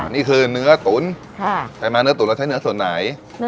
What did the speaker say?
นี่คือเนื้อตุ๋นใช่ไหมเนื้อตุ๋นเราใช้เนื้อส่วนไหน